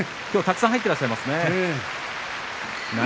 きょうはたくさん入っていますね。